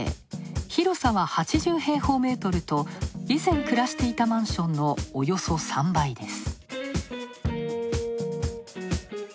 広さは８０平方メートルと以前暮らしていたマンションのおよそ３倍です。